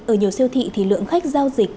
ở nhiều siêu thị thì lượng khách giao dịch